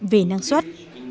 về năng suất